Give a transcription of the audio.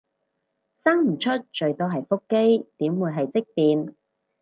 生唔出最多係腹肌，點會係積便